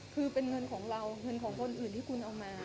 คือเป็นเงินของเราเงินของคนอื่นที่คุณเอามา